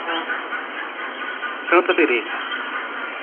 Santa Teresa